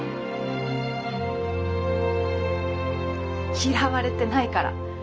嫌われてないから。